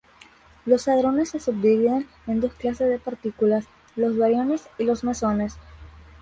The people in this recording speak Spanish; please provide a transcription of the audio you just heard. Los hadrones se subdividen en dos clases de partículas, los bariones y los mesones.